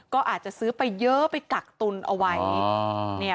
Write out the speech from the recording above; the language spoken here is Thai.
ก็อาจจะซื้อไปเยอะไปกักตุนเอาไว้